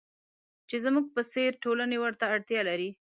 چې زموږ په څېر ټولنې ورته اړتیا لري.